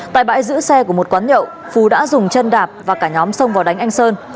tại bãi giữ xe của một quán nhậu phú đã dùng chân đạp và cả nhóm xông vào đánh anh sơn